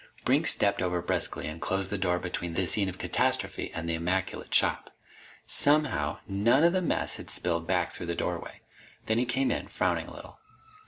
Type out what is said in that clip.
Brink stepped over briskly and closed the door between the scene of catastrophe and the immaculate shop. Somehow, none of the mess had spilled back through the doorway. Then he came in, frowning a little.